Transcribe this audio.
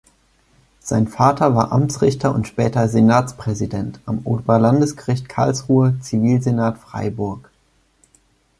Sein Vater war Amtsrichter und später Senatspräsident am Oberlandesgericht Karlsruhe, Zivilsenat Freiburg.